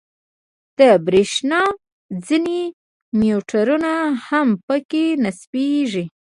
د برېښنا ځینې میټرونه هم په کې نصبېږي.